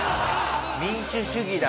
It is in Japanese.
民主主義だ。